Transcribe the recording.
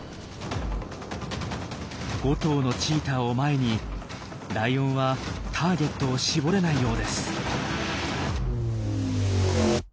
５頭のチーターを前にライオンはターゲットを絞れないようです。